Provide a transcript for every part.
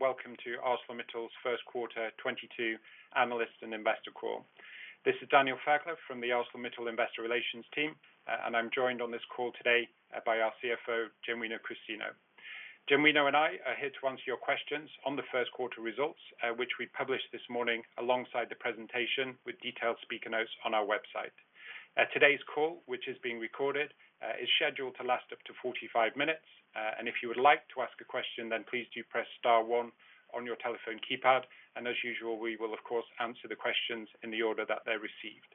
Welcome to ArcelorMittal's Q1 2022 Analysts and Investor Call. This is Daniel Fairclough from the ArcelorMittal Investor Relations team. I'm joined on this call today by our CFO, Genuino Christino. Genuino and I are here to answer your questions on the Q1 results, which we published this morning alongside the presentation with detailed speaker notes on our website. Today's call, which is being recorded, is scheduled to last up to 45 minutes. If you would like to ask a question, then please do press star one on your telephone keypad, and as usual, we will, of course, answer the questions in the order that they're received.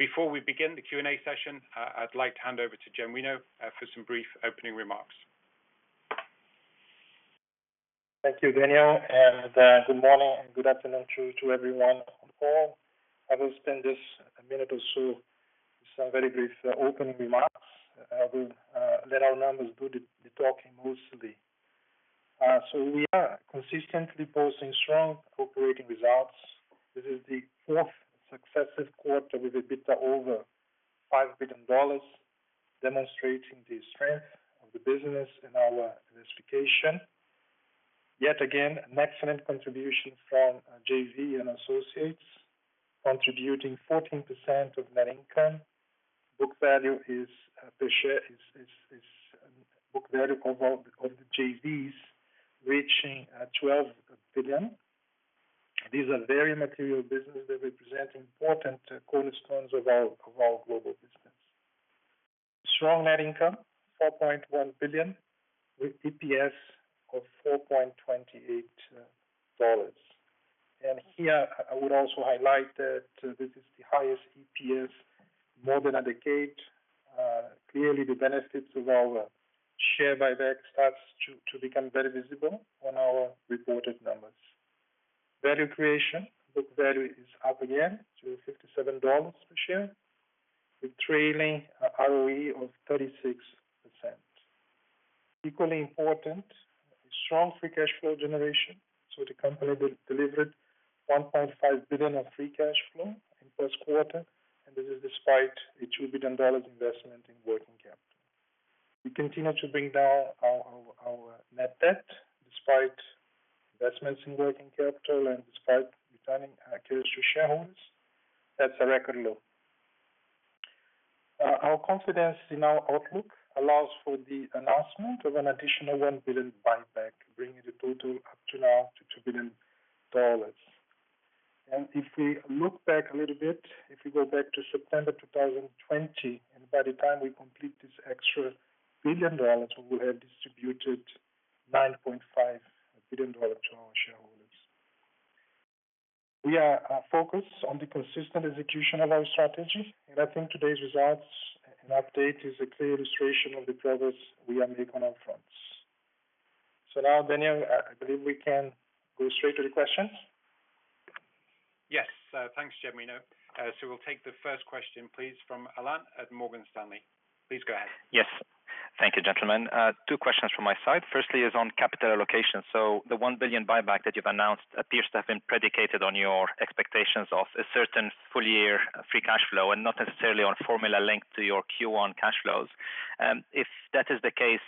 Before we begin the Q&A session, I'd like to hand over to Genuino for some brief opening remarks. Thank you, Daniel, and good morning and good afternoon to everyone on the call. I will spend this minute or so with some very brief opening remarks. I will let our numbers do the talking mostly. We are consistently posting strong operating results. This is the fourth successive quarter with EBITDA over $5 billion, demonstrating the strength of the business in our diversification. Yet again, an excellent contribution from JV and Associates, contributing 14% of net income. Book value per share is the book value of the JVs reaching $12 billion. These are very material business that represent important cornerstones of our global business. Strong net income, $4.1 billion, with EPS of $4.28. Here I would also highlight that this is the highest EPS in more than a decade. Clearly the benefits of our share buyback starts to become very visible on our reported numbers. Value creation, book value is up again to $57 per share with trailing ROE of 36%. Equally important, a strong free cash flow generation, so the company delivered $1.5 billion of free cash flow in Q1, and this is despite a $2 billion investment in working capital. We continue to bring down our net debt, despite investments in working capital and despite returning cash to shareholders. That's a record low. Our confidence in our outlook allows for the announcement of an additional $1 billion buyback, bringing the total up to now to $2 billion. If we look back a little bit, if we go back to September 2020, and by the time we complete this extra $1 billion, we will have distributed $9.5 billion to our shareholders. We are focused on the consistent execution of our strategy, and I think today's results and update is a clear illustration of the progress we are making on all fronts. Now, Daniel, I believe we can go straight to the questions. Yes. Thanks, Genuino. We'll take the first question, please, from Alain at Morgan Stanley. Please go ahead. Yes. Thank you, gentlemen. Two questions from my side. Firstly is on capital allocation. The $1 billion buyback that you've announced appears to have been predicated on your expectations of a certain full year free cash flow and not necessarily on formula linked to your Q1 cash flows. If that is the case,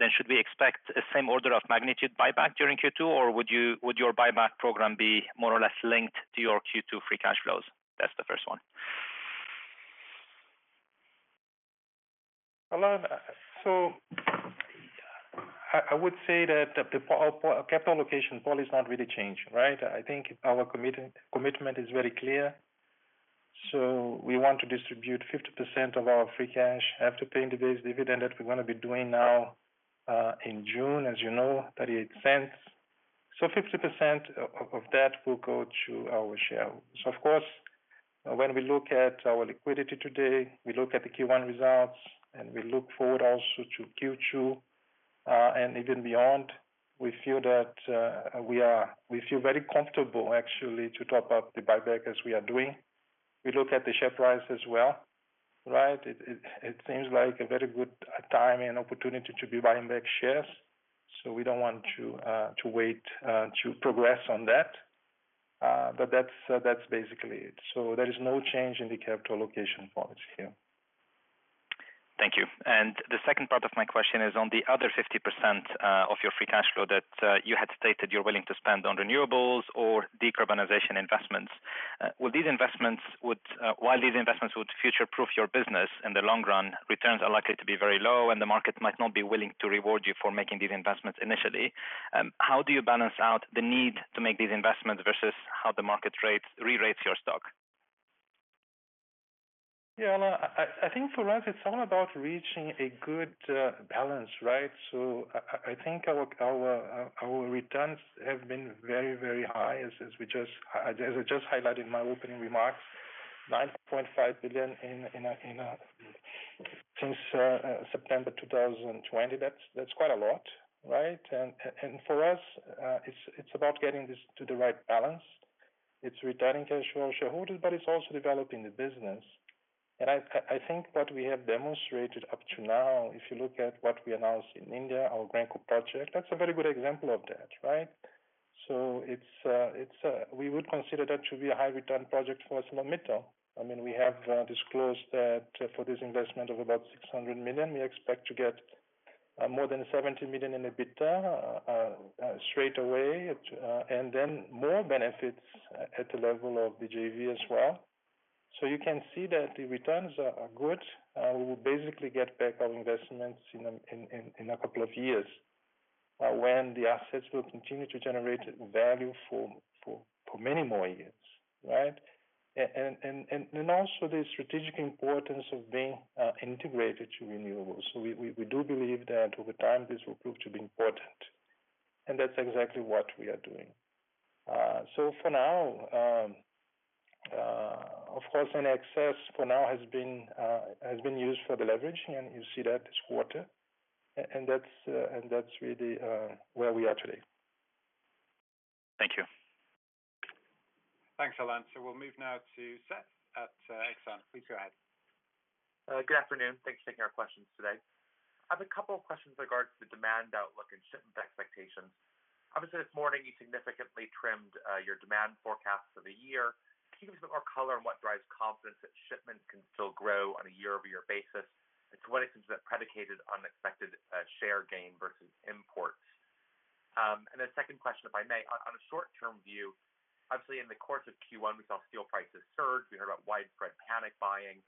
then should we expect a same order of magnitude buyback during Q2, or would your buyback program be more or less linked to your Q2 free cash flows? That's the first one. Alain, I would say that the capital allocation policy is not really changed, right? I think our commitment is very clear. We want to distribute 50% of our free cash after paying the base dividend that we're gonna be doing now in June, as you know, $0.38. Fifty percent of that will go to our shareholders. Of course, when we look at our liquidity today, we look at the Q1 results and we look forward also to Q2 and even beyond. We feel very comfortable actually to talk about the buyback as we are doing. We look at the share price as well, right? It seems like a very good timing and opportunity to be buying back shares. We don't want to wait to progress on that. That's basically it. There is no change in the capital allocation policy here. Thank you. The second part of my question is on the other 50% of your free cash flow that you had stated you're willing to spend on renewables or decarbonization investments. While these investments would future-proof your business in the long run, returns are likely to be very low and the market might not be willing to reward you for making these investments initially. How do you balance out the need to make these investments versus how the market rates, re-rates your stock? Yeah, Alain, I think for us it's all about reaching a good balance, right? I think our returns have been very high as I just highlighted in my opening remarks, $9.5 billion since September 2020. That's quite a lot, right? For us, it's about getting this to the right balance. It's returning cash flow to shareholders, but it's also developing the business. I think what we have demonstrated up to now, if you look at what we announced in India, our Greenko project, that's a very good example of that, right? It's. We would consider that to be a high return project for ArcelorMittal. I mean, we have disclosed that for this investment of about $600 million, we expect to get more than $70 million in EBITDA straight away, and then more benefits at the level of the JV as well. You can see that the returns are good. We will basically get back our investments in a couple of years, when the assets will continue to generate value for many more years, right? Also the strategic importance of being integrated to renewables. We do believe that over time this will prove to be important, and that's exactly what we are doing. For now, of course, any excess for now has been used for the leverage, and you see that this quarter. That's really where we are today. Thank you. Thanks, Alain. We'll move now to Seth at Exane. Please go ahead. Good afternoon. Thanks for taking our questions today. I have a couple of questions regards to demand outlook and shipment expectations. Obviously, this morning you significantly trimmed your demand forecast for the year. Can you give us a bit more color on what drives confidence that shipments can still grow on a year-over-year basis? To what extent is that predicated on expected share gain versus imports? A second question, if I may. On a short-term view, obviously in the course of Q1, we saw steel prices surge. We heard about widespread panic buying.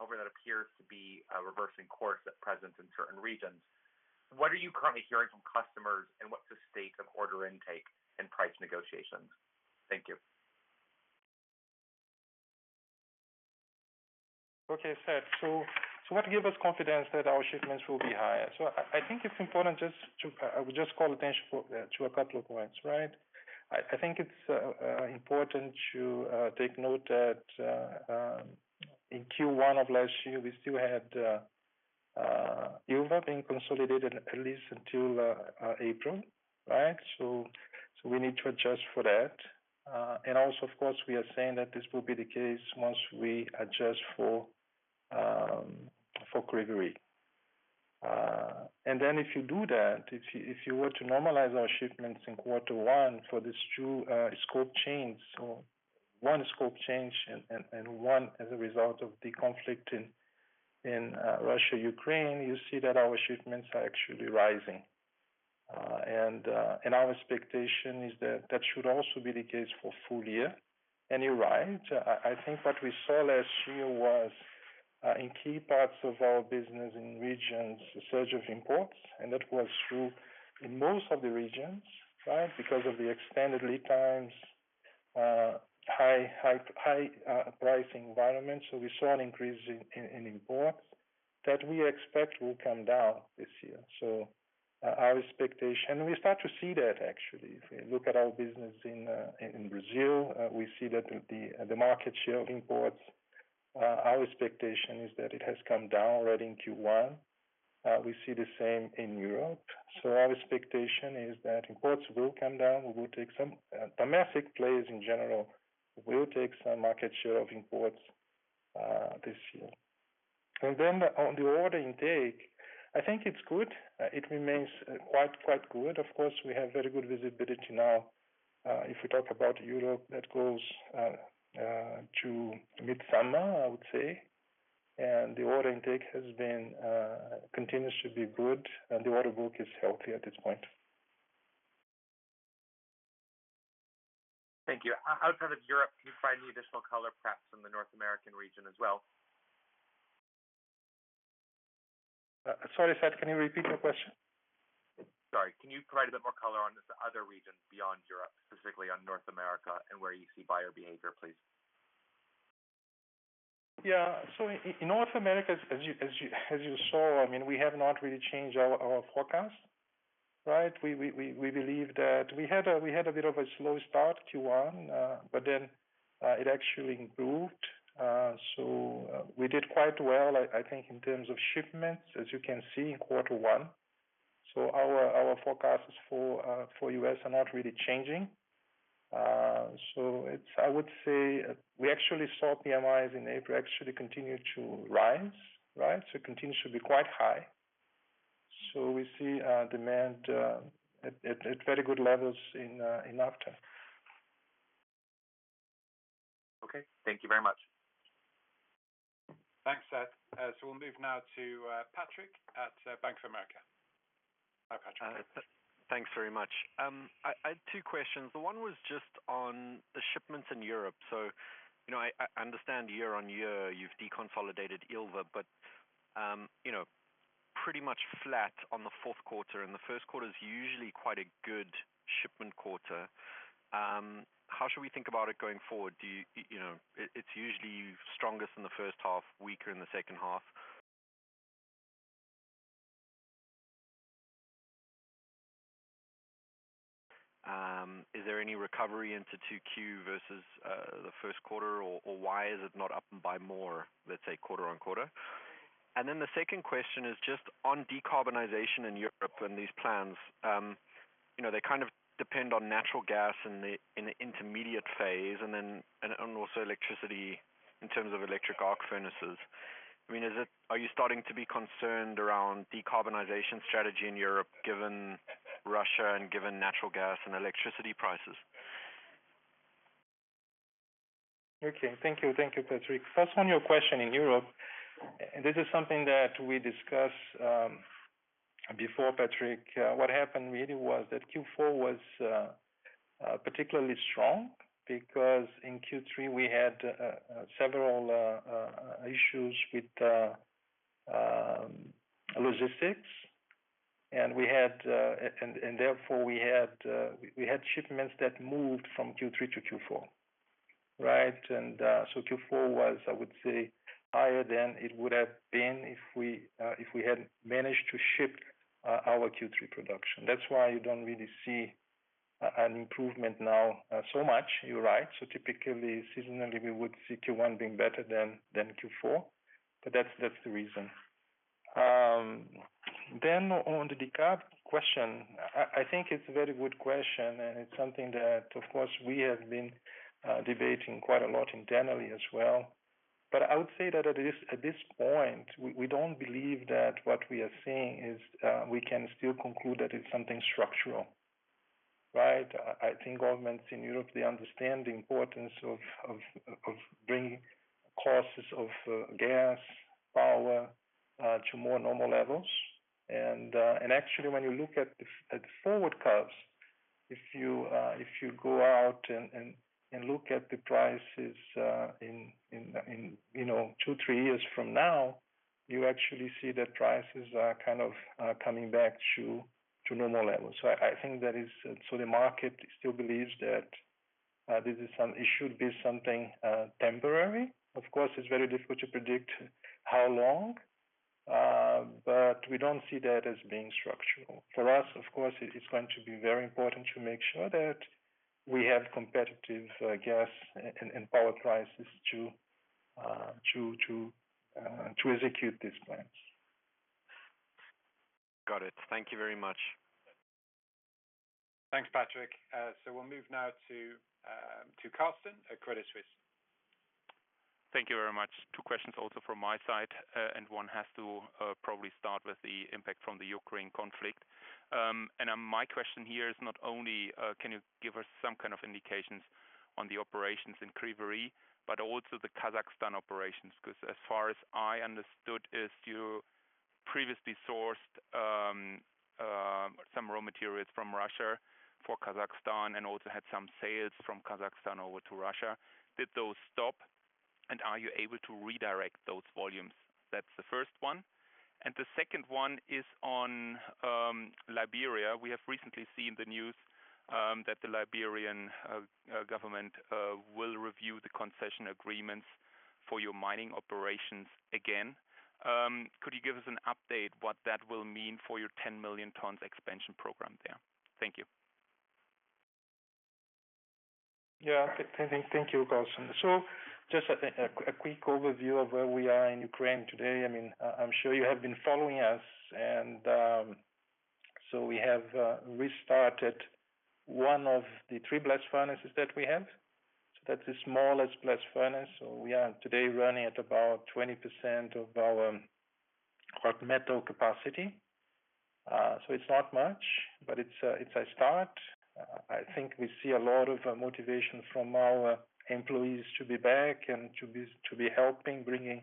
However, that appears to be reversing course at present in certain regions. What are you currently hearing from customers, and what's the state of order intake and price negotiations? Thank you. Okay, Seth. What gives us confidence that our shipments will be higher? I think it's important just to call attention to a couple of points, right? I think it's important to take note that in Q1 of last year, we still had Ilva being consolidated at least until April, right? We need to adjust for that. And also of course, we are saying that this will be the case once we adjust for Kryvyi Rih. And then if you do that, if you were to normalize our shipments in quarter one for these two scope changes. One scope change and one as a result of the conflict in Russia-Ukraine, you see that our shipments are actually rising. Our expectation is that that should also be the case for full year. You're right. I think what we saw last year was in key parts of our business in regions a surge of imports, and that was true in most of the regions, right? Because of the extended lead times, high pricing environment. We saw an increase in imports that we expect will come down this year. Our expectation we start to see that actually. If we look at our business in Brazil, we see that the market share of imports, our expectation is that it has come down already in Q1. We see the same in Europe. Our expectation is that imports will come down. We will take some domestic players in general will take some market share of imports this year. Then on the order intake, I think it's good. It remains quite good. Of course, we have very good visibility now if we talk about Europe, that goes to mid-summer, I would say. The order intake continues to be good, and the order book is healthy at this point. Thank you. Outside of Europe, can you provide any additional color, perhaps from the North American region as well? Sorry, Seth, can you repeat your question? Sorry. Can you provide a bit more color on the other regions beyond Europe, specifically on North America and where you see buyer behavior, please? In North America, as you saw, I mean, we have not really changed our forecast, right? We believe that we had a bit of a slow start Q1, but then it actually improved. We did quite well, I think in terms of shipments, as you can see in quarter one. Our forecasts for U.S. are not really changing. It's. I would say we actually saw PMIs in April actually continue to rise, right? It continues to be quite high. We see demand at very good levels in Latin America. Okay. Thank you very much. Thanks, Seth. We'll move now to Patrick at Bank of America. Hi, Patrick. Thanks very much. I had two questions. One was just on the shipments in Europe. I understand year-on-year you've deconsolidated Ilva, but pretty much flat on the Q4, and the Q1 is usually quite a good shipment quarter. How should we think about it going forward? Do you know it's usually strongest in the first half, weaker in the second half. Is there any recovery into 2Q versus the Q1, or why is it not up by more, let's say, quarter-on-quarter? Then the second question is just on decarbonization in Europe and these plans. You know, they kind of depend on natural gas in the intermediate phase and then also electricity in terms of electric arc furnaces. I mean, are you starting to be concerned around decarbonization strategy in Europe, given Russia and given natural gas and electricity prices? Okay. Thank you. Thank you, Patrick. First, on your question in Europe, this is something that we discussed before, Patrick. What happened really was that Q4 was particularly strong because in Q3 we had several issues with logistics. We had shipments that moved from Q3 to Q4, right? Q4 was, I would say, higher than it would have been if we had managed to ship our Q3 production. That's why you don't really see an improvement now, so much. You're right. Typically, seasonally, we would see Q1 being better than Q4, but that's the reason. On the decarb question, I think it's a very good question, and it's something that, of course, we have been debating quite a lot internally as well. But I would say that at this point, we don't believe that what we are seeing is we can still conclude that it's something structural. Right? I think governments in Europe, they understand the importance of bringing costs of gas, power to more normal levels. Actually, when you look at the forward curves, if you go out and look at the prices in, you know, 2, 3 years from now, you actually see that prices are kind of coming back to normal levels. The market still believes that it should be something temporary. Of course, it's very difficult to predict how long, but we don't see that as being structural. For us, of course, it's going to be very important to make sure that we have competitive gas and power prices to execute these plans. Got it. Thank you very much. Thanks, Patrick. We'll move now to Carsten at Credit Suisse. Thank you very much. Two questions also from my side, and one has to probably start with the impact from the Ukraine conflict. My question here is not only can you give us some kind of indications on the operations in Kryvyi Rih, but also the Kazakhstan operations? 'Cause as far as I understood is you previously sourced some raw materials from Russia for Kazakhstan and also had some sales from Kazakhstan over to Russia. Did those stop? And are you able to redirect those volumes? That's the first one. The second one is on Liberia. We have recently seen the news that the Liberian government will review the concession agreements for your mining operations again. Could you give us an update what that will mean for your 10 million tons expansion program there? Thank you. Yeah. Thank you, Carsten. Just a quick overview of where we are in Ukraine today. I mean, I'm sure you have been following us and so we have restarted one of the three blast furnaces that we have. That's the smallest blast furnace. We are today running at about 20% of our hot metal capacity. It's not much, but it's a start. I think we see a lot of motivation from our employees to be back and to be helping bringing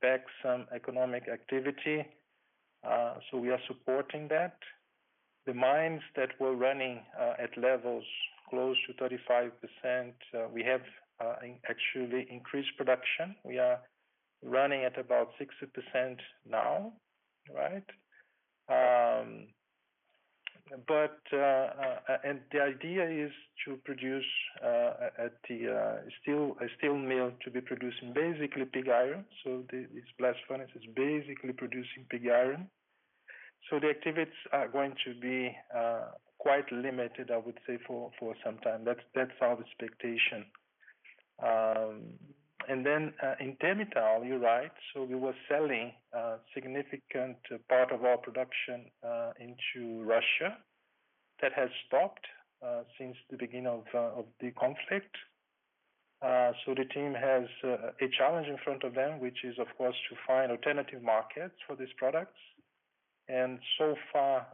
back some economic activity. We are supporting that. The mines that were running at levels close to 35%, we have actually increased production. We are running at about 60% now, right? The idea is to produce at the steel mill to be producing basically pig iron. The blast furnace is basically producing pig iron. The activities are going to be quite limited, I would say, for some time. That's our expectation. In Temirtau, you're right. We were selling a significant part of our production into Russia. That has stopped since the beginning of the conflict. The team has a challenge in front of them, which is, of course, to find alternative markets for these products. So far,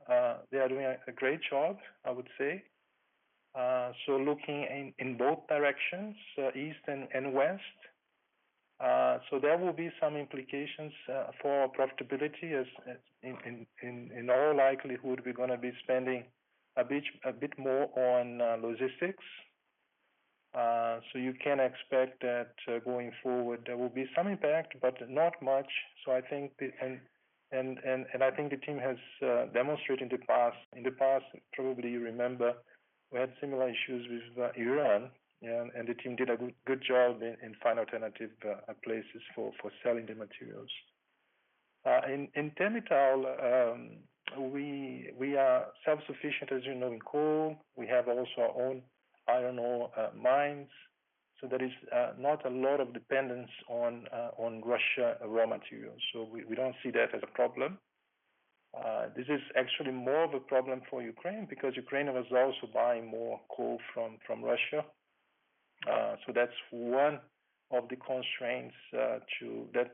they are doing a great job, I would say. Looking in both directions, east and west. There will be some implications for profitability as in all likelihood, we're gonna be spending a bit more on logistics. You can expect that going forward, there will be some impact, but not much. I think the team has demonstrated in the past, probably you remember, we had similar issues with Iran, and the team did a good job in finding alternative places for selling the materials. In Temirtau, we are self-sufficient, as you know, in coal. We have also our own iron ore mines. There is not a lot of dependence on Russian raw materials. We don't see that as a problem. This is actually more of a problem for Ukraine because Ukraine was also buying more coal from Russia. That's one of the constraints to that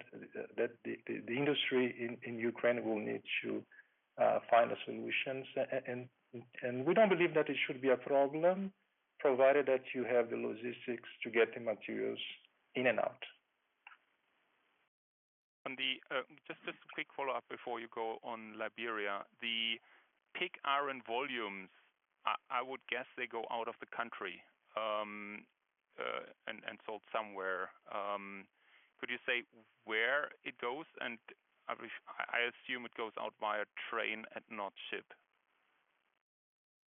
the industry in Ukraine will need to find a solution. We don't believe that it should be a problem, provided that you have the logistics to get the materials in and out. Just a quick follow-up before you go on Liberia. The pig iron volumes, I would guess they go out of the country, and sold somewhere. Could you say where it goes? I assume it goes out via train and not ship.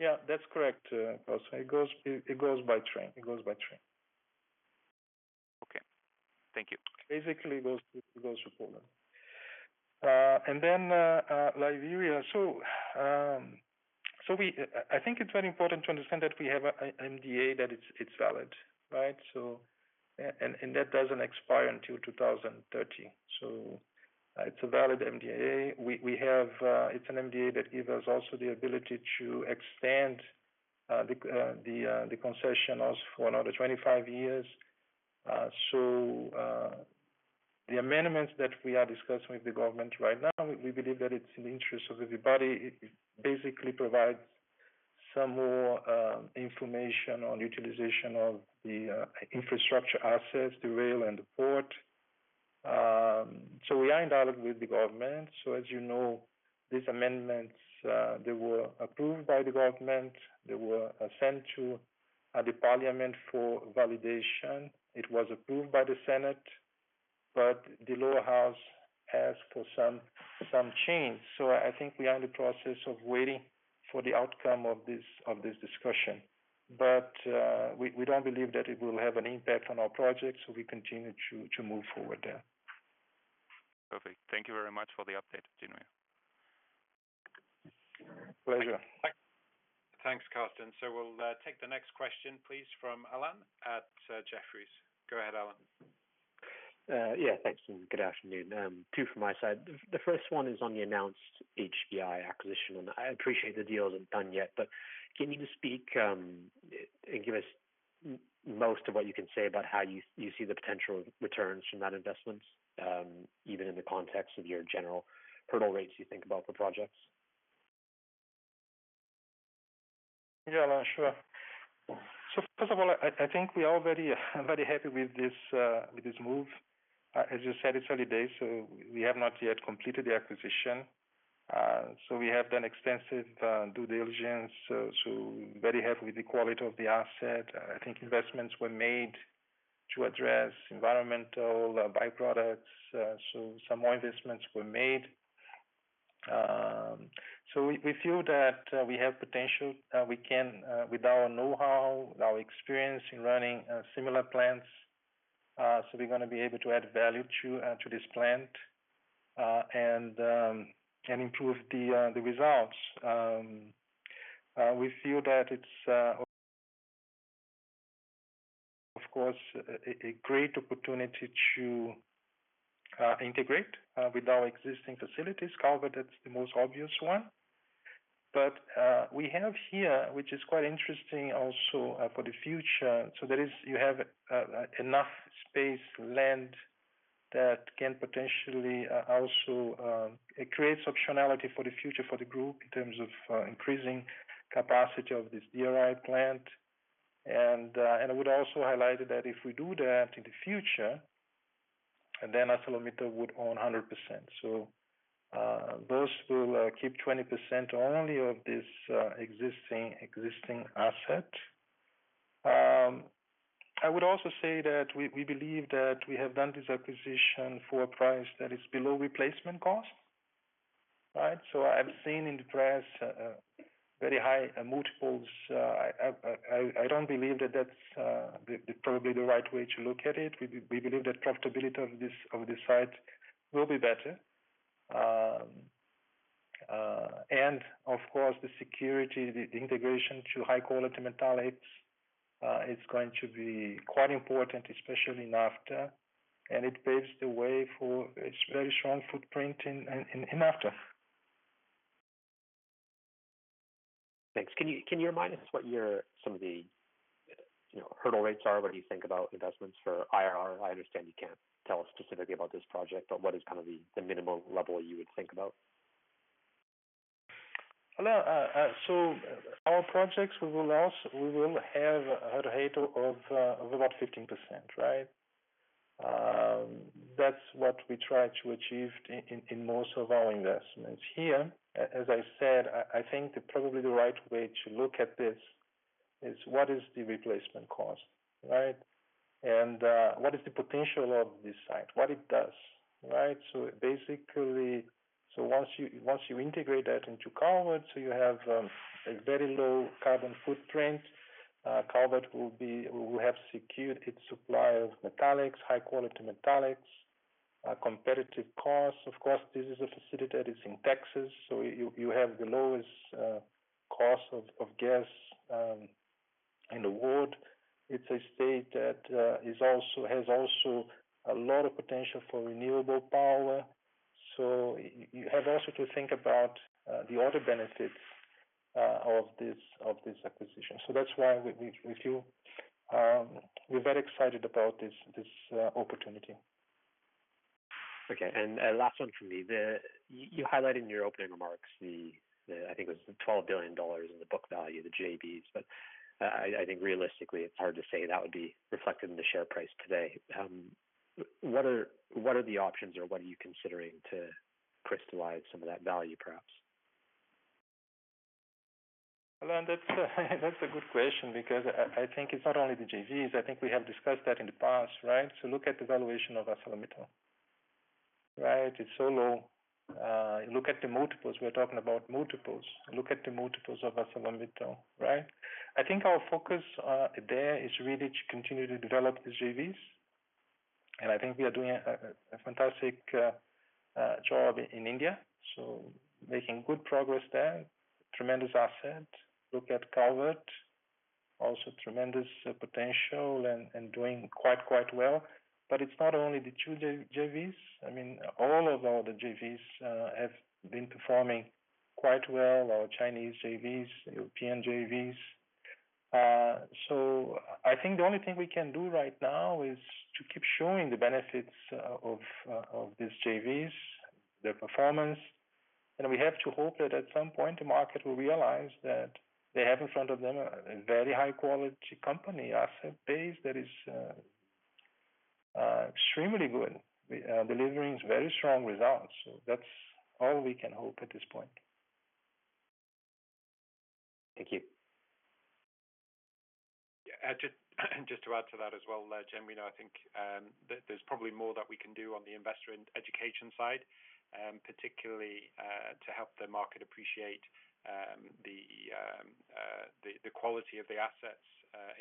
Yeah, that's correct, Carsten. It goes by train. Okay. Thank you. Basically, it goes to Poland and then Liberia. I think it's very important to understand that we have an MDA that it's valid, right? That doesn't expire until 2030. It's a valid MDA. It's an MDA that gives us also the ability to extend the concession also for another 25 years. The amendments that we are discussing with the government right now, we believe that it's in the interest of everybody. It basically provides some more information on utilization of the infrastructure assets, the rail and the port. We are in dialogue with the government. As you know, these amendments they were approved by the government. They were sent to the parliament for validation. It was approved by the Senate, but the lower house asked for some change. I think we are in the process of waiting for the outcome of this discussion. We don't believe that it will have an impact on our project, so we continue to move forward there. Perfect. Thank you very much for the update, Genuino Christino. Pleasure. Thanks, Carsten. We'll take the next question, please, from Alan at Jefferies. Go ahead, Alan. Thanks and good afternoon. Two from my side. The first one is on the announced HBI acquisition, and I appreciate the deal isn't done yet. Can you just speak and give us most of what you can say about how you see the potential returns from that investment, even in the context of your general hurdle rates you think about for projects? Yeah, Alan, sure. First of all, I think we are very, very happy with this move. As you said, it's early days, so we have not yet completed the acquisition. We have done extensive due diligence. Very happy with the quality of the asset. I think investments were made to address environmental byproducts, so some more investments were made. We feel that we have potential. We can, with our know-how, our experience in running similar plants, add value to this plant and improve the results. We feel that it's, of course, a great opportunity to integrate with our existing facilities. Calvert is the most obvious one. We have here, which is quite interesting also, for the future. There is you have enough space land that can potentially also. It creates optionality for the future for the group in terms of increasing capacity of this DRI plant. I would also highlight that if we do that in the future, and then ArcelorMittal would own 100%. Those will keep 20% only of this existing asset. I would also say that we believe that we have done this acquisition for a price that is below replacement cost. Right? I've seen in the press very high multiples. I don't believe that that's probably the right way to look at it. We believe that profitability of this site will be better. Of course, the security, the integration to high-quality metallics, is going to be quite important, especially in EAF. It paves the way for its very strong footprint in EAF. Thanks. Can you remind us what some of your, you know, hurdle rates are? What do you think about investments for IRR? I understand you can't tell us specifically about this project, but what is kind of the minimum level you would think about? Alan, our projects, we will also have a rate of about 15%, right? That's what we try to achieve in most of our investments. Here, as I said, I think probably the right way to look at this is what is the replacement cost, right? What is the potential of this site? What it does, right? Once you integrate that into Calvert, you have a very low carbon footprint. Calvert will have secured its supply of metallics, high quality metallics at competitive costs. Of course, this is a facility that is in Texas, so you have the lowest cost of gas in the world. It's a state that also has a lot of potential for renewable power. You have also to think about the other benefits of this acquisition. That's why we feel we're very excited about this opportunity. Okay. Last one from me. You highlighted in your opening remarks. I think it was the $12 billion in the book value of the JVs, but I think realistically it's hard to say that would be reflected in the share price today. What are the options or what are you considering to crystallize some of that value, perhaps? Well, that's a good question because I think it's not only the JVs, I think we have discussed that in the past, right? Look at the valuation of ArcelorMittal, right? It's so low. Look at the multiples. We're talking about multiples. Look at the multiples of ArcelorMittal, right? I think our focus there is really to continue to develop the JVs, and I think we are doing a fantastic job in India, so making good progress there. Tremendous asset. Look at Calvert, also tremendous potential and doing quite well. It's not only the two JVs. I mean, all of our JVs have been performing quite well, our Chinese JVs, European JVs. I think the only thing we can do right now is to keep showing the benefits of these JVs, their performance. We have to hope that at some point, the market will realize that they have in front of them a very high quality company asset base that is extremely good, delivering very strong results. That's all we can hope at this point. Thank you. Yeah. Just to add to that as well, Gen, you know, I think there's probably more that we can do on the investor education side, particularly to help the market appreciate the quality of the assets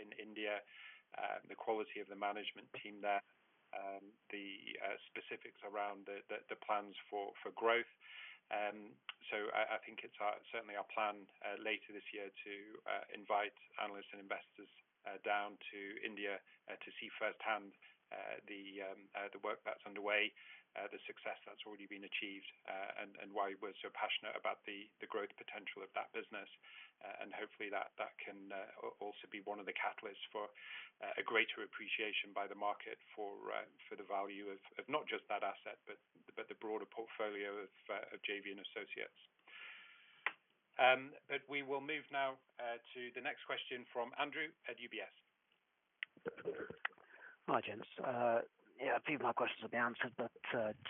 in India, the quality of the management team there, the specifics around the plans for growth. I think it's certainly our plan later this year to invite analysts and investors down to India to see firsthand the work that's underway, the success that's already been achieved, and why we're so passionate about the growth potential of that business. Hopefully that can also be one of the catalysts for a greater appreciation by the market for the value of not just that asset, but the broader portfolio of JV and associates. We will move now to the next question from Andrew at UBS. Hi, gents. Yeah, a few of my questions have been answered, but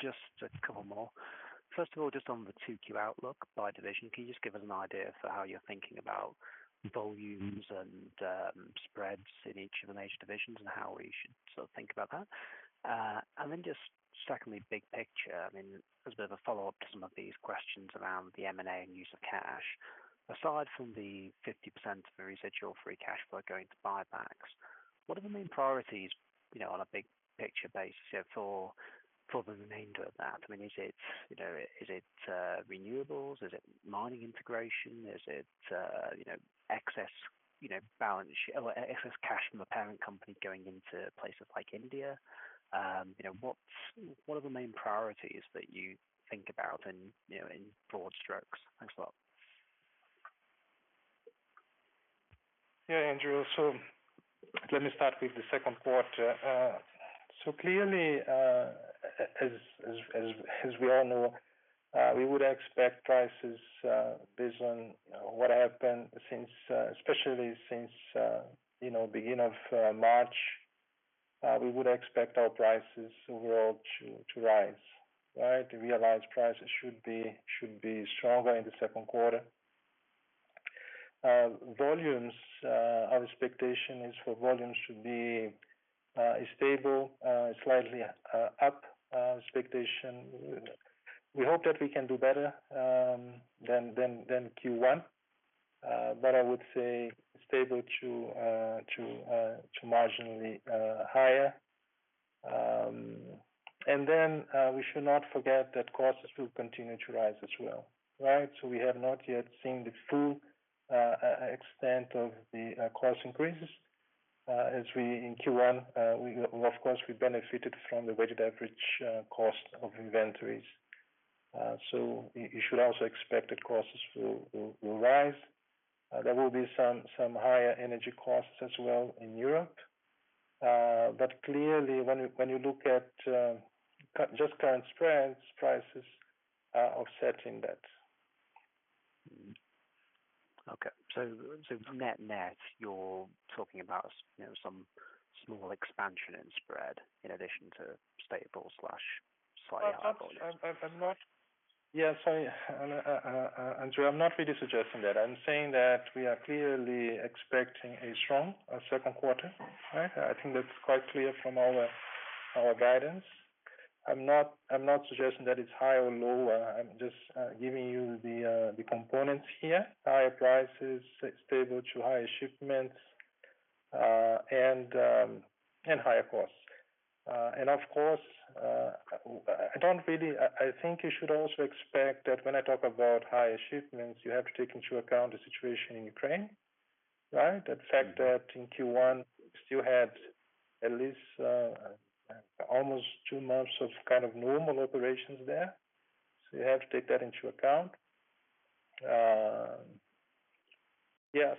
just a couple more. First of all, just on the two key outlook by division, can you just give us an idea for how you're thinking about volumes and spreads in each of the major divisions and how we should sort of think about that? Then just secondly, big picture, I mean, as a bit of a follow-up to some of these questions around the M&A and use of cash. Aside from the 50% of the residual free cash flow going to buybacks, what are the main priorities, you know, on a big picture basis for the remainder of that? I mean, is it, you know, is it renewables? Is it mining integration? Is it, you know, excess, you know, balance. excess cash from a parent company going into places like India? You know, what are the main priorities that you think about in, you know, in broad strokes? Thanks a lot. Yeah, Andrew. Let me start with the Q2. Clearly, as we all know, we would expect prices based on what happened since, especially since you know, beginning of March, we would expect our prices overall to rise, right? The realized prices should be stronger in the Q2. Volumes, our expectation is for volumes should be stable, slightly up. We hope that we can do better than Q1, but I would say stable to marginally higher. We should not forget that costs will continue to rise as well, right? We have not yet seen the full extent of the cost increases as we in Q1 we of course benefited from the weighted average cost of inventories. You should also expect that costs will rise. There will be some higher energy costs as well in Europe. Clearly, when you look at just current spreads, prices are offsetting that. Net net, you're talking about, you know, some small expansion in spread in addition to stable slash slightly higher volumes. Yes, Andrew, I'm not really suggesting that. I'm saying that we are clearly expecting a strong Q2, right? I think that's quite clear from all our guidance. I'm not suggesting that it's high or low. I'm just giving you the components here. Higher prices, stable to higher shipments, and higher costs. Of course, I think you should also expect that when I talk about higher shipments, you have to take into account the situation in Ukraine. Right? The fact that in Q1 we still had at least almost two months of kind of normal operations there. You have to take that into account.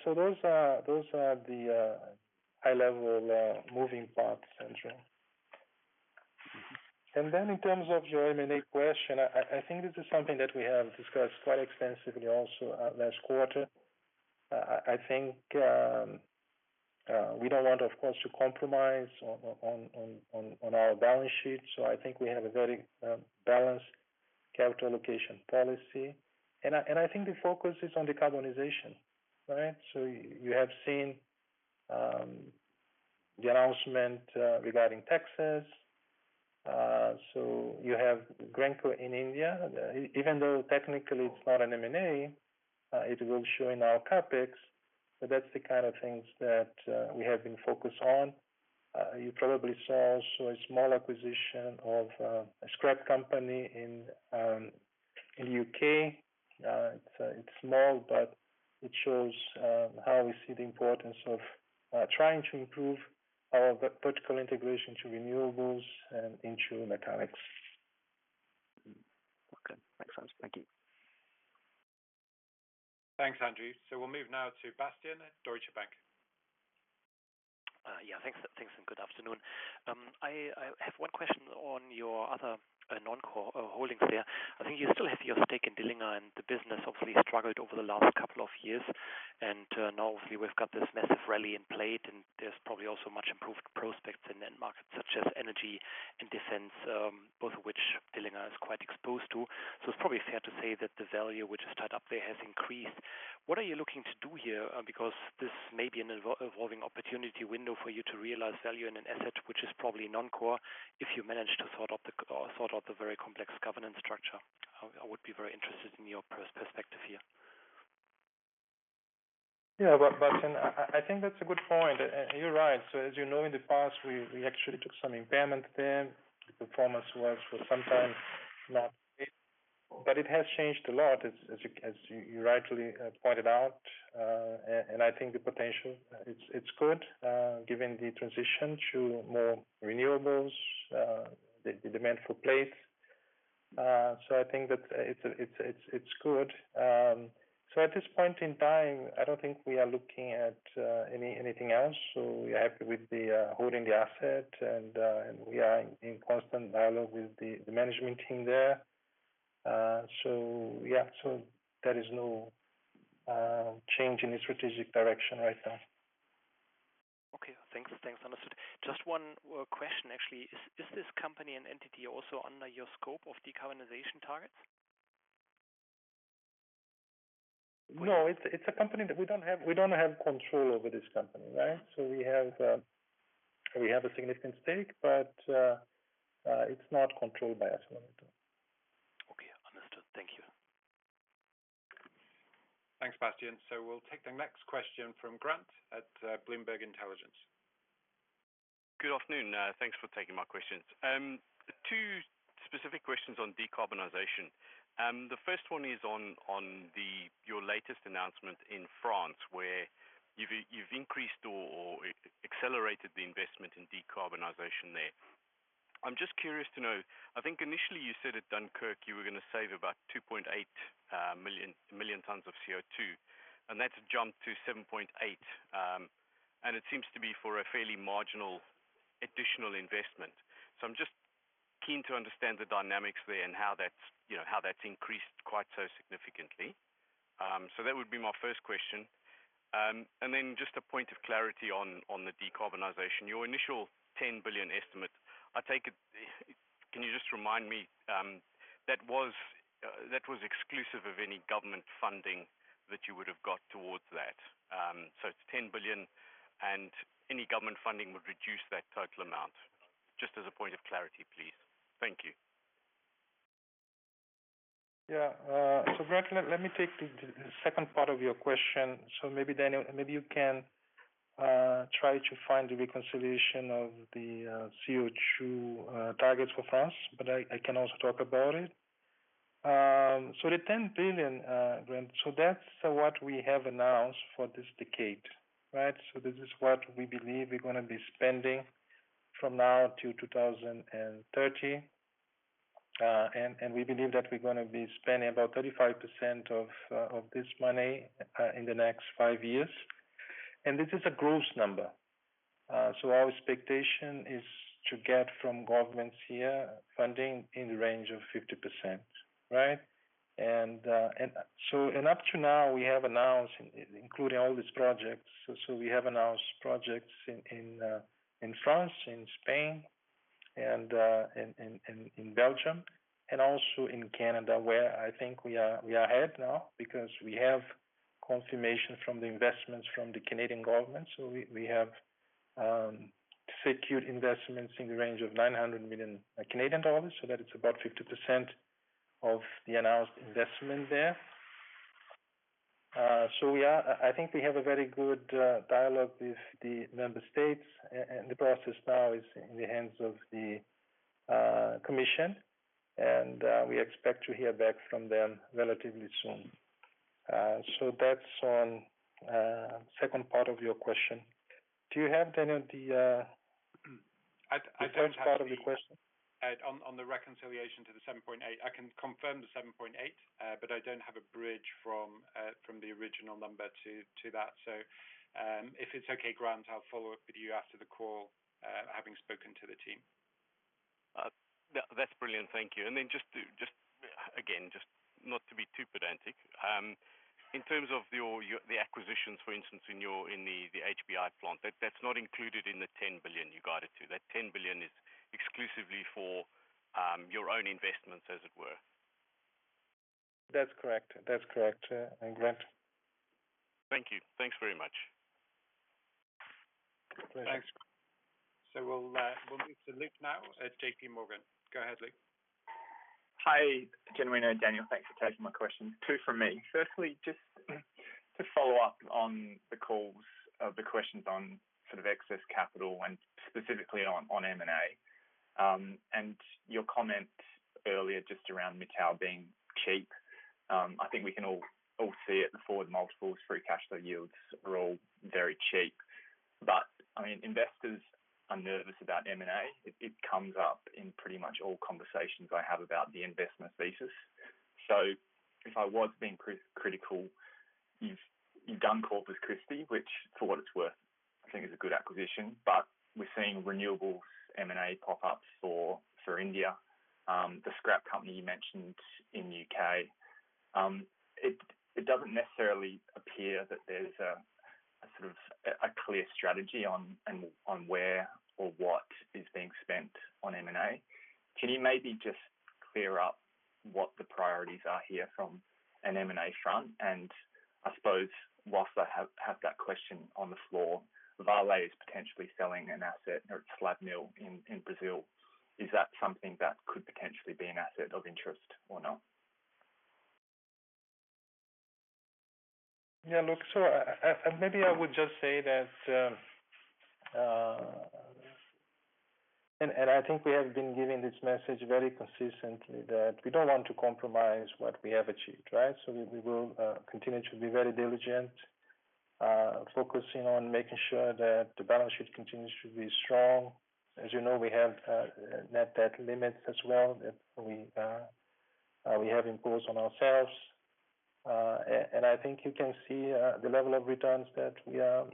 Those are the high-level moving parts, Andrew. In terms of your M&A question, I think this is something that we have discussed quite extensively also last quarter. I think we don't want, of course, to compromise on our balance sheet. I think we have a very balanced capital allocation policy. I think the focus is on decarbonization, right? You have seen the announcement regarding Texas. You have Greenko in India. Even though technically it's not an M&A, it will show in our capex, but that's the kind of things that we have been focused on. You probably saw also a small acquisition of a scrap company in UK. It's small, but it shows how we see the importance of trying to improve our vertical integration to renewables and into metallics. Okay. Makes sense. Thank you. Thanks, Andrew. We'll move now to Bastian at Deutsche Bank. Yeah, thanks. Thanks, and good afternoon. I have one question on your other non-core holdings there. I think you still have your stake in Dillinger, and the business obviously struggled over the last couple of years. Now obviously we've got this massive rally in play, and there's probably also much improved prospects in end markets such as energy and defense, both of which Dillinger is quite exposed to. It's probably fair to say that the value which is tied up there has increased. What are you looking to do here? Because this may be an evolving opportunity window for you to realize value in an asset which is probably non-core if you manage to sort out the very complex governance structure. I would be very interested in your perspective here. Yeah. Well, Bastian, I think that's a good point, and you're right. As you know, in the past, we actually took some impairment there. The performance was for some time not great, but it has changed a lot as you rightly pointed out. And I think the potential, it's good, given the transition to more renewables, the demand for plates. I think that it's good. At this point in time, I don't think we are looking at anything else. We're happy with holding the asset and we are in constant dialogue with the management team there. Yeah. There is no change in the strategic direction right now. Okay. Thanks. Understood. Just one question actually. Is this company and entity also under your scope of decarbonization targets? No. It's a company that we don't have control over this company, right? We have a significant stake, but it's not controlled by us at the moment. Okay. Understood. Thank you. Thanks, Bastian. We'll take the next question from Grant at Bloomberg Intelligence. Good afternoon. Thanks for taking my questions. Two specific questions on decarbonization. The first one is on your latest announcement in France, where you've increased or accelerated the investment in decarbonization there. I'm just curious to know, I think initially you said at Dunkirk you were gonna save about 2.8 million tons of CO2, and that's jumped to 7.8, and it seems to be for a fairly marginal additional investment. I'm just keen to understand the dynamics there and how that's, you know, how that's increased quite so significantly. That would be my first question. Just a point of clarity on the decarbonization. Your initial $10 billion estimate, I take it... Can you just remind me, that was exclusive of any government funding that you would have got towards that? It's $10 billion and any government funding would reduce that total amount. Just as a point of clarity, please. Thank you. Yeah. So Grant, let me take the second part of your question. Maybe you can try to find the reconciliation of the CO2 targets for France, but I can also talk about it. $10 billion, Grant, that's what we have announced for this decade, right? This is what we believe we're gonna be spending from now till 2030. And we believe that we're gonna be spending about 35% of this money in the next five years. This is a gross number. Our expectation is to get from governments here funding in the range of 50%, right? Up to now we have announced, including all these projects, we have announced projects in France, in Spain, and in Belgium, and also in Canada, where I think we are ahead now because we have confirmation from the investments from the Canadian government. We have secured investments in the range of 900 million Canadian dollars, so that is about 50% of the announced investment there. I think we have a very good dialogue with the member states, and the process now is in the hands of the commission. We expect to hear back from them relatively soon. That's on second part of your question. Do you have any of the I don't have the- The first part of the question? Ed, on the reconciliation to the $7.8, I can confirm the $7.8, but I don't have a bridge from the original number to that. If it's okay, Grant, I'll follow up with you after the call, having spoken to the team. That's brilliant. Thank you. Just not to be too pedantic, in terms of your acquisitions, for instance, in the HBI plant, that's not included in the $10 billion you guided to. That $10 billion is exclusively for your own investments, as it were. That's correct, Grant. Thank you. Thanks very much. Thanks. We'll move to Luke now at JP Morgan. Go ahead, Luke. Hi, Genuino and Daniel. Thanks for taking my question. Two from me. Firstly, just to follow up on the calls or the questions on sort of excess capital and specifically on M&A. And your comment earlier just around Mittal being cheap. I think we can all see it. The forward multiples, free cash flow yields are all very cheap. I mean, investors are nervous about M&A. It comes up in pretty much all conversations I have about the investment thesis. If I was being critical, you've done Corpus Christi, which for what it's worth, I think is a good acquisition. We're seeing renewables M&A pop up for India. The scrap company you mentioned in U.K. It doesn't necessarily appear that there's a sort of a clear strategy on where or what is being spent on M&A. Can you maybe just clear up what the priorities are here from an M&A front? I suppose while I have that question on the floor, Vale is potentially selling an asset or a slab mill in Brazil. Is that something that could potentially be an asset of interest or not? Look, maybe I would just say that I think we have been giving this message very consistently that we don't want to compromise what we have achieved, right? We will continue to be very diligent, focusing on making sure that the balance sheet continues to be strong. As you know, we have net debt limits as well that we have imposed on ourselves. I think you can see the level of returns that we are,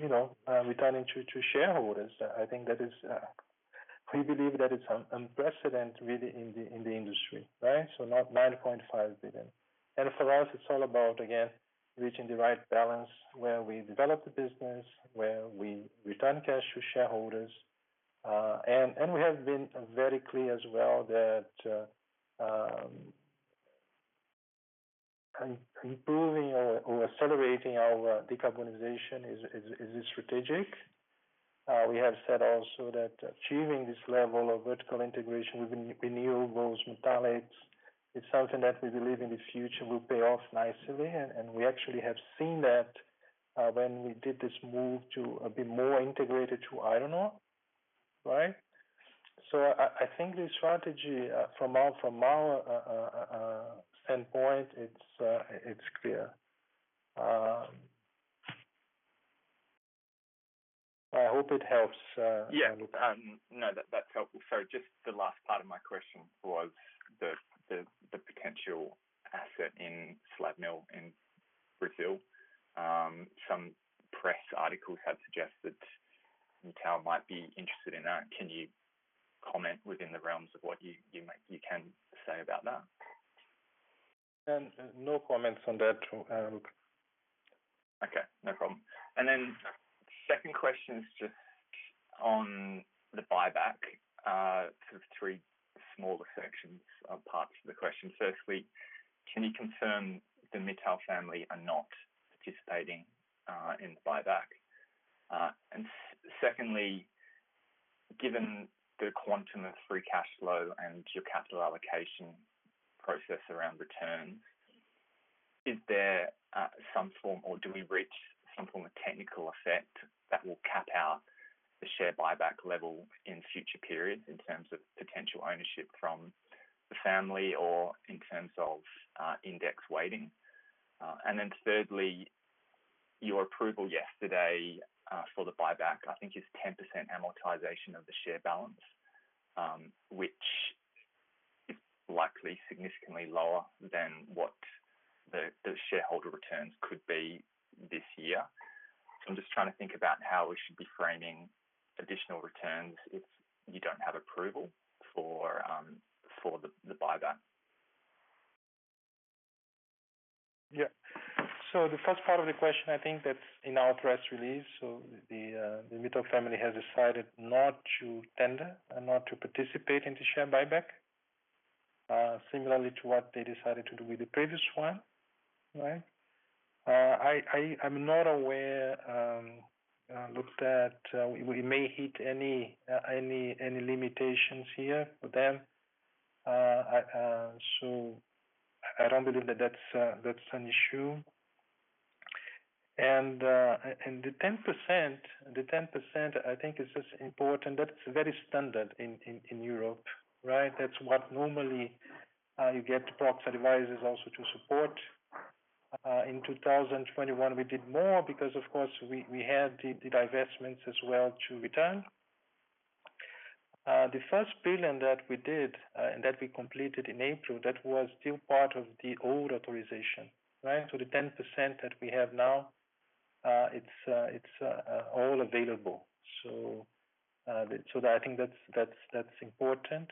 you know, returning to shareholders. I think that is. We believe that it's unprecedented really in the industry, right? Not $9.5 billion. For us it's all about, again, reaching the right balance where we develop the business, where we return cash to shareholders. We have been very clear as well that improving or accelerating our decarbonization is strategic. We have said also that achieving this level of vertical integration with renewables, metallics, is something that we believe in the future will pay off nicely. We actually have seen that when we did this move to a bit more integrated to iron ore, right? I think the strategy from our standpoint it's clear. I hope it helps, Luke. Yeah. No, that's helpful. Just the last part of my question was the potential asset in slab mill in Brazil. Some press articles have suggested Mittal might be interested in that. Can you comment within the realms of what you can say about that? No comments on that, Luke. Okay, no problem. Second question is just on the buyback, sort of three smaller sections of parts of the question. Firstly, can you confirm the Mittal family are not participating in the buyback? Secondly, given the quantum of free cash flow and your capital allocation process around returns, is there some form or do we reach some form of technical effect that will cap out the share buyback level in future periods in terms of potential ownership from the family or in terms of index weighting? Thirdly, your approval yesterday for the buyback, I think is 10% amortization of the share balance, which is likely significantly lower than what the shareholder returns could be this year. I'm just trying to think about how we should be framing additional returns if you don't have approval for the buyback. Yeah. The first part of the question, I think that's in our press release. The Mittal family has decided not to tender and not to participate in the share buyback, similarly to what they decided to do with the previous one, right? I'm not aware, Luke, that we may hit any limitations here for them. I don't believe that's an issue. The 10% I think is just important. That's very standard in Europe, right? That's what normally you get proxy advisors also to support. In 2021, we did more because of course we had the divestments as well to return. The first $1 billion that we did, and that we completed in April, that was still part of the old authorization, right? The 10% that we have now, it's all available. I think that's important.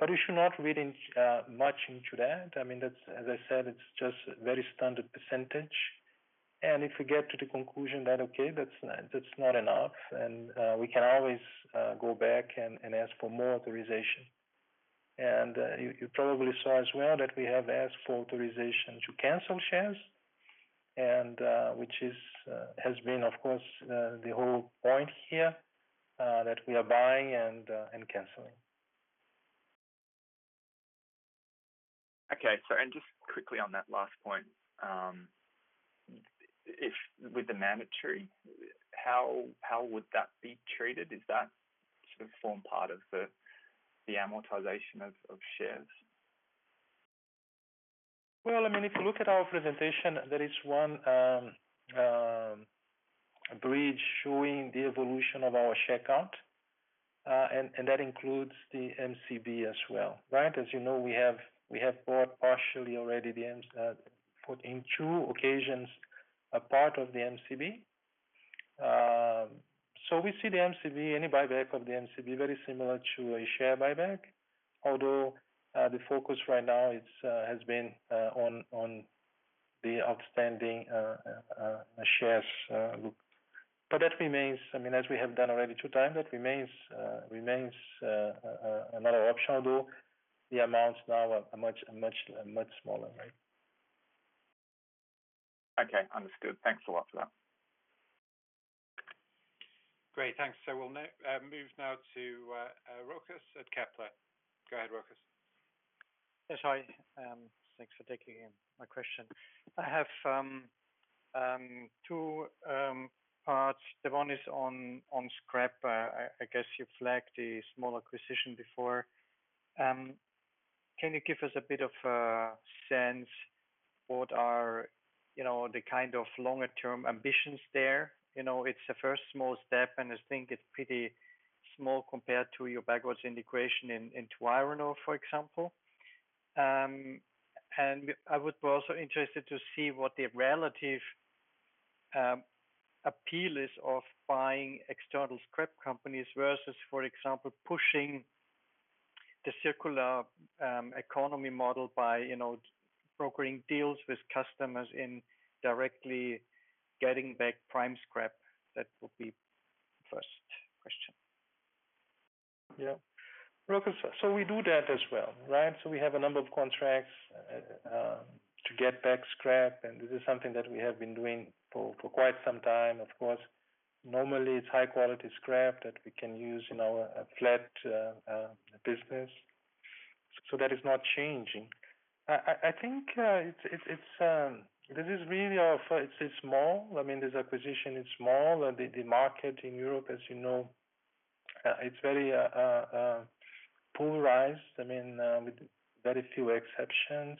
We should not read too much into that. I mean, that's, as I said, it's just very standard percentage. If we get to the conclusion that, okay, that's not enough, and we can always go back and ask for more authorization. You probably saw as well that we have asked for authorization to cancel shares, and which has been, of course, the whole point here, that we are buying and canceling. Okay. Sorry, just quickly on that last point. If with the mandatory, how would that be treated? Does that sort of form part of the amortization of shares? Well, I mean, if you look at our presentation, there is one bridge showing the evolution of our share count. That includes the MCB as well, right? As you know, we have bought partially already the MCB on two occasions a part of the MCB. We see the MCB, any buyback of the MCB, very similar to a share buyback. Although the focus right now has been on the outstanding shares. That remains, I mean, as we have done already two times, that remains another option, although the amounts now are much smaller, right? Okay. Understood. Thanks a lot for that. Great. Thanks. We'll now move to Rochus at Kepler. Go ahead, Rochus. Yes. Hi, thanks for taking my question. I have two parts. The one is on scrap. I guess you flagged a small acquisition before. Can you give us a bit of a sense what are, you know, the kind of longer-term ambitions there? You know, it's the first small step, and I think it's pretty small compared to your backward integration into iron ore, for example. I would be also interested to see what the relative appeal is of buying external scrap companies versus, for example, pushing the circular economy model by, you know, brokering deals with customers indirectly getting back prime scrap. That would be first question. Yeah. Rochus, we do that as well, right? We have a number of contracts to get back scrap, and this is something that we have been doing for quite some time. Of course, normally it's high quality scrap that we can use in our flat business. That is not changing. I think it's small. I mean, this acquisition is small. The market in Europe, as you know, it's very polarized. I mean, with very few exceptions.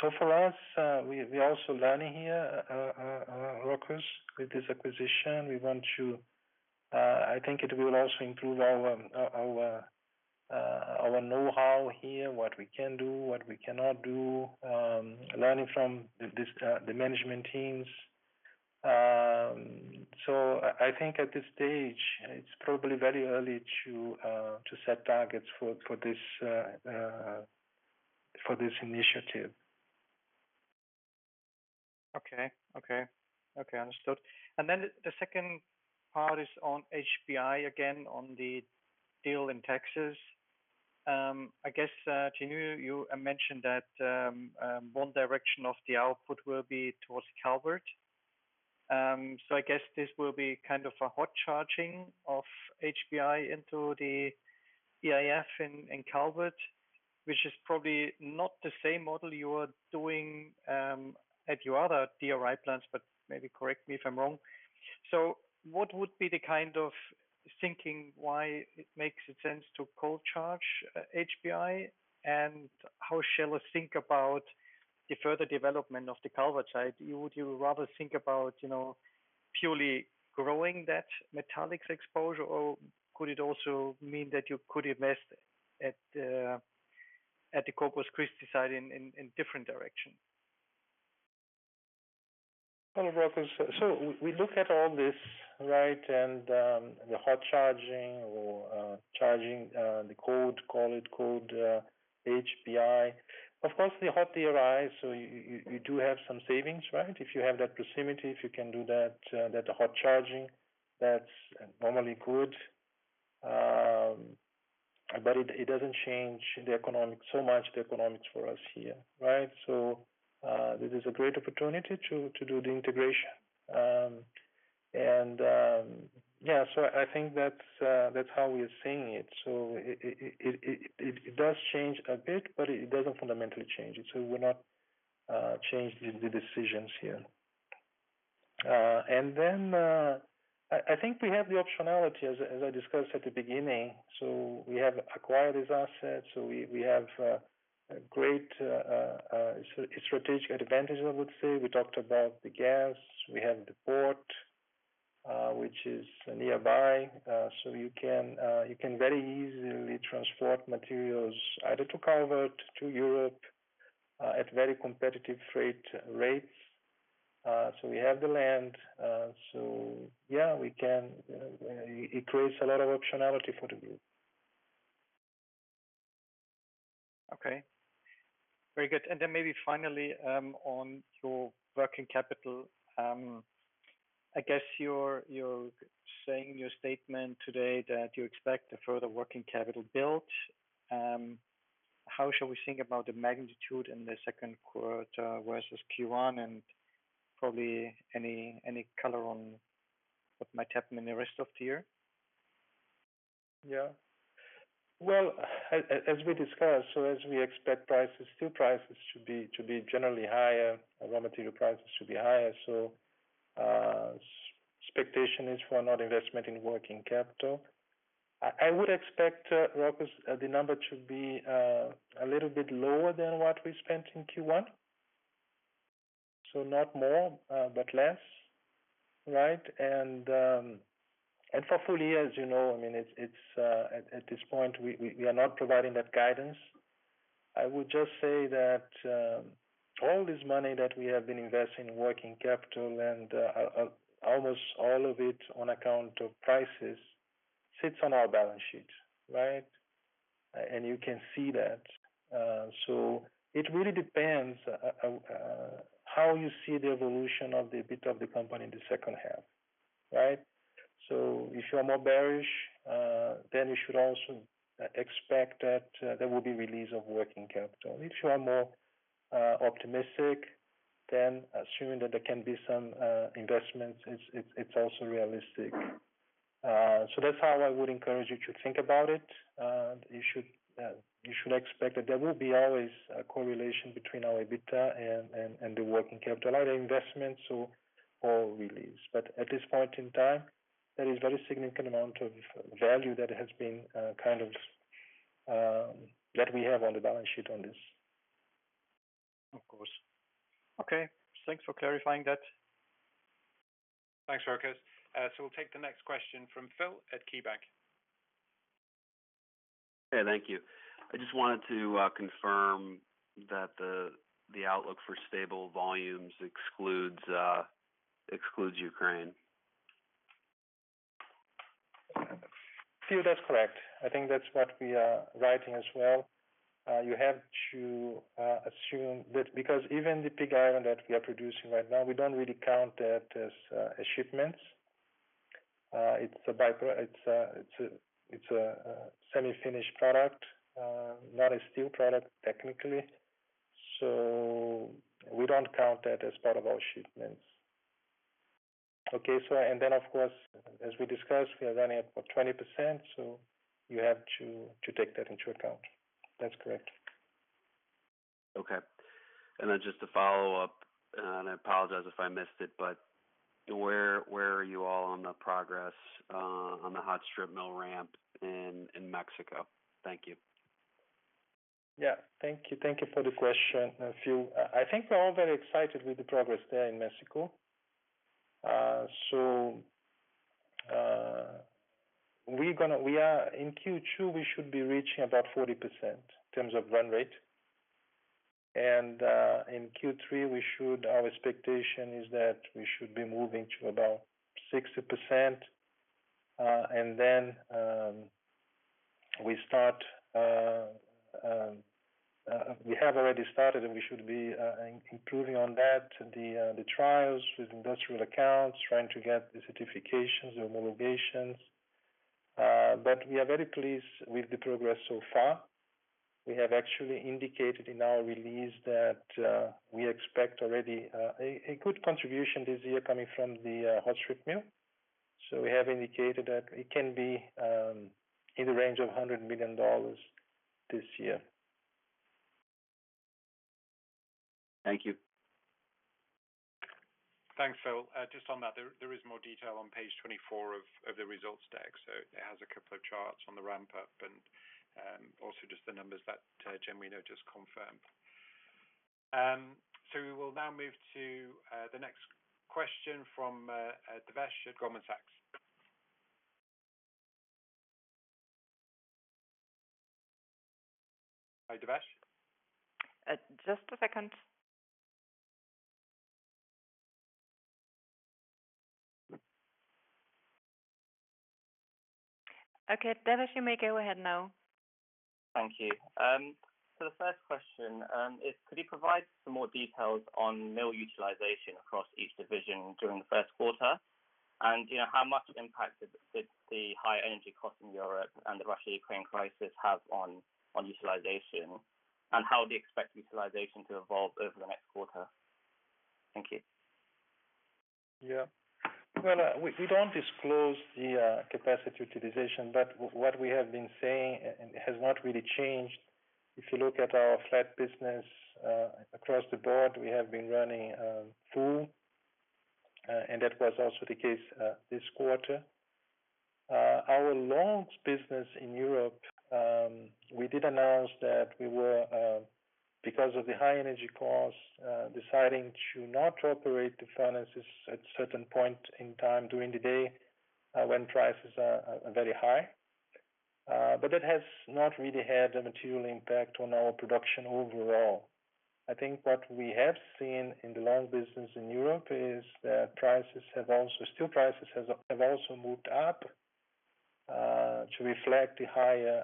For us, we also learning here, Rochus, with this acquisition. We want to. I think it will also improve our know-how here, what we can do, what we cannot do, learning from this, the management teams. I think at this stage, it's probably very early to set targets for this initiative. Understood. Then the second part is on HBI, again on the deal in Texas. I guess, Tinu, you mentioned that one direction of the output will be towards Calvert. I guess this will be kind of a hot charging of HBI into the EAF in Calvert, which is probably not the same model you are doing at your other DRI plants, but maybe correct me if I'm wrong. What would be the kind of thinking why it makes sense to cold charge HBI? And how shall we think about the further development of the Calvert site? Would you rather think about, you know, purely growing that metallics exposure? Or could it also mean that you could invest at the Corpus Christi site in different direction? Hello, Rochus. We look at all this, right? The hot charging or charging the cold, call it cold HBI. Of course, the hot DRI, so you do have some savings, right? If you have that proximity, if you can do that hot charging, that's normally good. It doesn't change the economics so much, the economics for us here, right? This is a great opportunity to do the integration. Yeah, I think that's how we are seeing it. It does change a bit, but it doesn't fundamentally change it. We're not change the decisions here. Then I think we have the optionality as I discussed at the beginning. We have acquired these assets. We have a great strategic advantage I would say. We talked about the gas. We have the port, which is nearby. You can very easily transport materials either to Calvert, to Europe, at very competitive freight rates. We have the land. Yeah, we can, it creates a lot of optionality for the group. Okay. Very good. Then maybe finally, on your working capital, I guess you're saying your statement today that you expect a further working capital build. How should we think about the magnitude in the Q2 versus Q1 and probably any color on what might happen in the rest of the year? Well, as we discussed, we expect prices, steel prices should be generally higher, raw material prices should be higher. Expectation is for another investment in working capital. I would expect, Rochus, the number to be a little bit lower than what we spent in Q1. Not more, but less. Right? For full year, as you know, I mean, it's at this point, we are not providing that guidance. I would just say that all this money that we have been investing in working capital and almost all of it on account of prices sits on our balance sheet, right? You can see that. It really depends how you see the evolution of the EBITDA of the company in the second half, right? If you are more bearish, then you should also expect that there will be release of working capital. If you are more optimistic, then assuming that there can be some investments, it's also realistic. That's how I would encourage you to think about it. You should expect that there will be always a correlation between our EBITDA and the working capital, either investments or release. At this point in time, there is very significant amount of value that we have on the balance sheet on this. Of course. Okay. Thanks for clarifying that. Thanks, Rochus. We'll take the next question from Phil at KeyBanc. Yeah, thank you. I just wanted to confirm that the outlook for stable volumes excludes Ukraine. Phil, that's correct. I think that's what we are writing as well. You have to assume that because even the pig iron that we are producing right now, we don't really count that as shipments. It's a semi-finished product, not a steel product technically. We don't count that as part of our shipments. Of course, as we discussed, we are running at 20%, so you have to take that into account. That's correct. Okay. Then just to follow up, and I apologize if I missed it, but where are you all on the progress on the hot strip mill ramp in Mexico? Thank you. Yeah. Thank you. Thank you for the question, Phil. I think we're all very excited with the progress there in Mexico. We are in Q2, we should be reaching about 40% in terms of run rate. In Q3, our expectation is that we should be moving to about 60%. We have already started, and we should be improving on that, the trials with industrial accounts, trying to get the certifications or homologations. We are very pleased with the progress so far. We have actually indicated in our release that we expect already a good contribution this year coming from the hot strip mill. We have indicated that it can be in the range of $100 million this year. Thank you. Thanks, Phil. Just on that, there is more detail on page 24 of the results deck. It has a couple of charts on the ramp up and also just the numbers that Genuino just confirmed. We will now move to the next question from Devesh at Goldman Sachs. Hi, Devesh. Devesh, you may go ahead now. Thank you. The first question is could you provide some more details on mill utilization across each division during the Q1? You know, how much impact did the high energy cost in Europe and the Russia-Ukraine crisis have on utilization? How do you expect utilization to evolve over the next quarter? Thank you. Yeah. Well, we don't disclose the capacity utilization, but what we have been saying and has not really changed. If you look at our flat business, across the board, we have been running full. That was also the case this quarter. Our longs business in Europe, we did announce that we were, because of the high energy costs, deciding to not operate the furnaces at certain point in time during the day, when prices are very high. That has not really had a material impact on our production overall. I think what we have seen in the longs business in Europe is that steel prices have also moved up to reflect the higher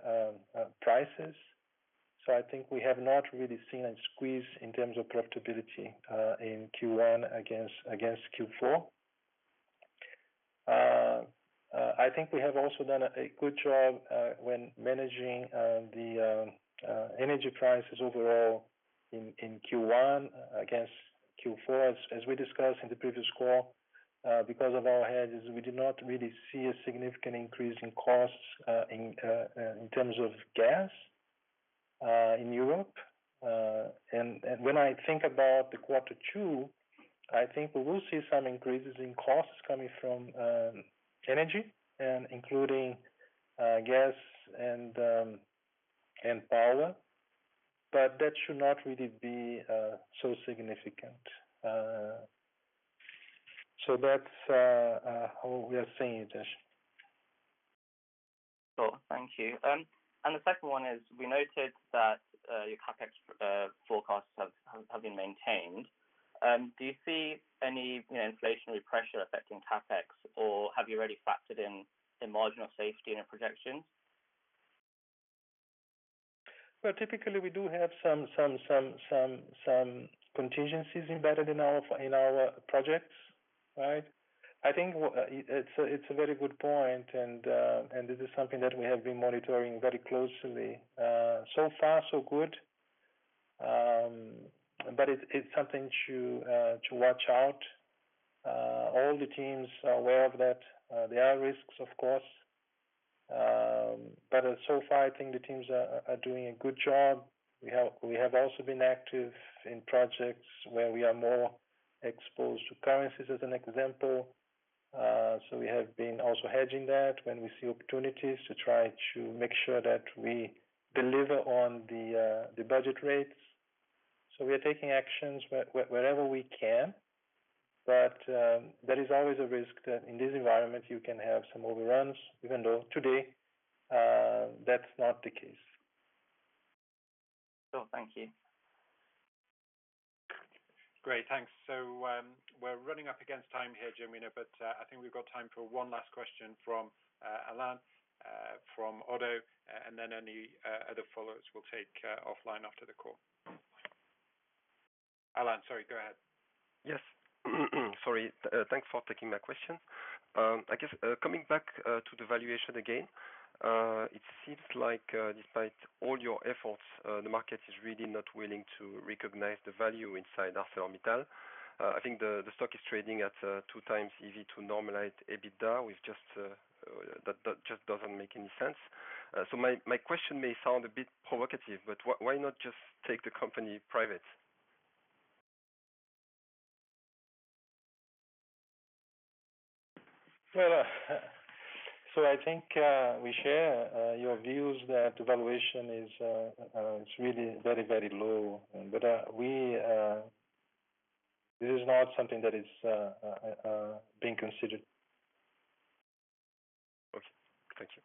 prices. I think we have not really seen a squeeze in terms of profitability in Q1 against Q4. I think we have also done a good job when managing the energy prices overall in Q1 against Q4. As we discussed in the previous call, because of our hedges, we did not really see a significant increase in costs in terms of gas in Europe. And when I think about quarter two, I think we will see some increases in costs coming from energy and including gas and power, but that should not really be so significant. That's how we are seeing it. Sure. Thank you. The second one is we noted that your capex forecasts have been maintained. Do you see any inflationary pressure affecting capex, or have you already factored in the margin of safety in your projections? Well, typically, we do have some contingencies embedded in our projects, right? I think it's a very good point and this is something that we have been monitoring very closely. So far so good. It's something to watch out. All the teams are aware of that. There are risks, of course. So far, I think the teams are doing a good job. We have also been active in projects where we are more exposed to currencies as an example. We have been also hedging that when we see opportunities to try to make sure that we deliver on the budget rates. We are taking actions wherever we can. There is always a risk that in this environment, you can have some overruns, even though today, that's not the case. Sure. Thank you. Great. Thanks. We're running up against time here, Genuino Christino, but I think we've got time for one last question from Alan from Oddo, and then any other followers will take offline after the call. Alan, sorry, go ahead. Yes. Sorry. Thanks for taking my questions. I guess, coming back to the valuation again, it seems like, despite all your efforts, the market is really not willing to recognize the value inside ArcelorMittal. I think the stock is trading at 2x EV to normalized EBITDA with just that. That just doesn't make any sense. My question may sound a bit provocative, but why not just take the company private? I think we share your views that the valuation is. It's really very, very low. This is not something that is being considered. Okay. Thank you.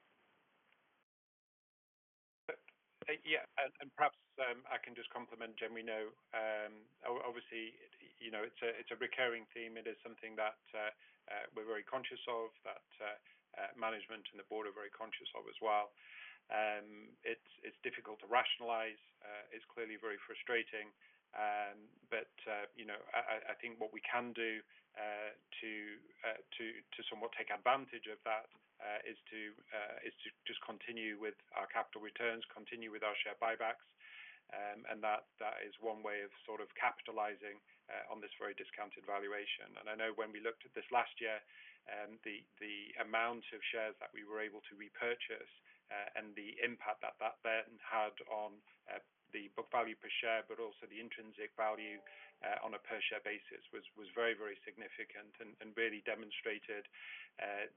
Yeah. Perhaps I can just compliment Genuino. Obviously, you know, it's a recurring theme. It is something that we're very conscious of, that management and the board are very conscious of as well. It's difficult to rationalize. It's clearly very frustrating. You know, I think what we can do to somewhat take advantage of that is to just continue with our capital returns, continue with our share buybacks. That is one way of sort of capitalizing on this very discounted valuation. I know when we looked at this last year, the amount of shares that we were able to repurchase and the impact that that then had on the book value per share, but also the intrinsic value on a per share basis was very significant and really demonstrated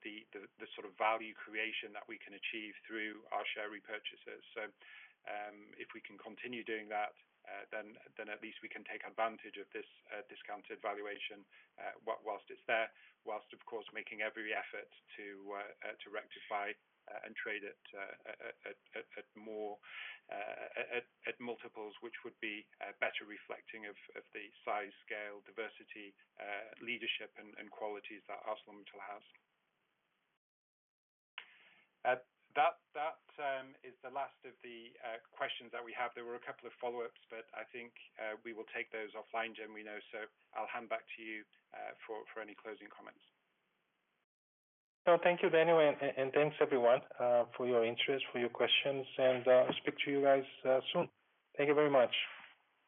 the sort of value creation that we can achieve through our share repurchases. If we can continue doing that, then at least we can take advantage of this discounted valuation whilst it's there, whilst of course making every effort to rectify and trade at more multiples, which would be better reflecting of the size, scale, diversity, leadership and qualities that ArcelorMittal has. That is the last of the questions that we have. There were a couple of follow-ups, but I think we will take those offline, Genuino Christino. I'll hand back to you for any closing comments. Thank you, Daniel, and thanks, everyone, for your interest, for your questions, and speak to you guys, soon. Thank you very much.